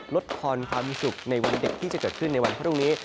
ลดพรความสุขในวันเด็กที่จะเกิดขึ้นในวันพรุ่งนี้